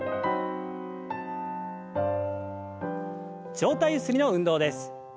上体ゆすりの運動です。